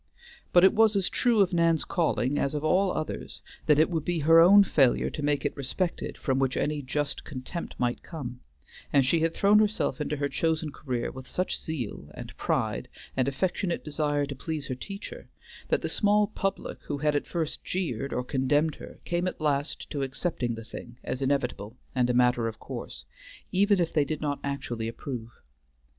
But it was as true of Nan's calling, as of all others, that it would be her own failure to make it respected from which any just contempt might come, and she had thrown herself into her chosen career with such zeal, and pride, and affectionate desire to please her teacher, that the small public who had at first jeered or condemned her came at last to accepting the thing as inevitable and a matter of course, even if they did not actually approve.